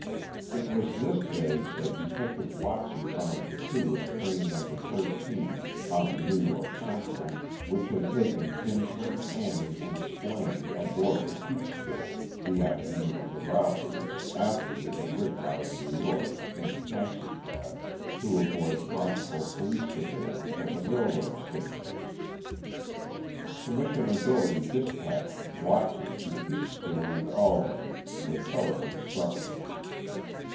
It was this day that Detective Watson found the crew of Train No. 13, on the New York Central, which had taken Kinsman, Annie and Splaine aboard at Peekskill the afternoon of the robbery after they had ridden out of New York in a taxicab to avoid possible police surveillance at the railroad stations. Commissioner Dougherty dispatched Watson to Peekskill and Albany with thorough instructions.